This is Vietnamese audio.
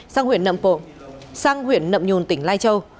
sang huyện nậm nhôn tỉnh lai châu